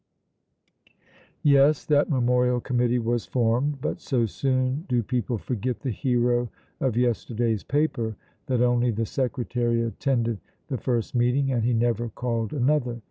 '" Yes, that memorial committee was formed; but so soon do people forget the hero of yesterday's paper that only the secretary attended the first meeting, and he never called another.